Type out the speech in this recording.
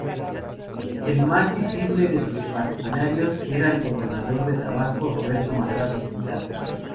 El más visible de sus partidarios era el Gobernador de Tabasco, Roberto Madrazo Pintado.